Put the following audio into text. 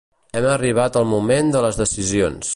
Hem arribat al moment de les decisions.